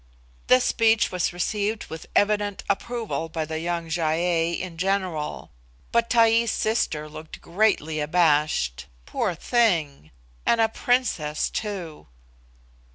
This speech was received with evident approval by the young Gy ei in general; but Taee's sister looked greatly abashed. Poor thing! and a PRINCESS too!